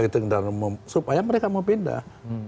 itu kendaraan umum supaya mereka mau pindah